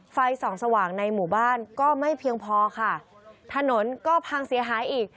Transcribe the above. ไฟส่องสว่างในหมู่บ้านก็ไม่เพียงพอค่ะถนนก็พังเสียหายอีก